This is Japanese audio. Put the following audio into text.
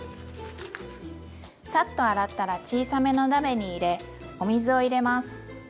サッと洗ったら小さめの鍋に入れお水を入れます。